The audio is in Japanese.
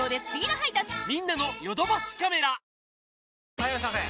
・はいいらっしゃいませ！